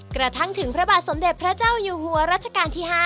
กระทั่งถึงพระบาทสมเด็จพระเจ้าอยู่หัวรัชกาลที่๕